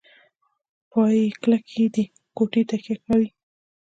پایې کلکې دي کوټې تکیه کوي.